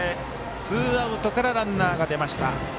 ツーアウトからランナーが出ました。